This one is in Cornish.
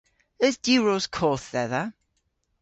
Eus diwros koth dhedha?